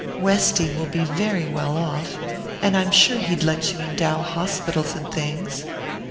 Westy will be very well off and I'm sure he'd let you endow hospitals and things.